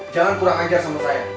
jangan kurang ajar sama saya